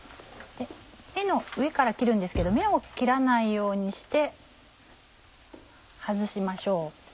目の上から切るんですけど目を切らないようにして外しましょう。